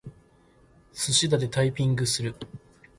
すしだでタイピングする。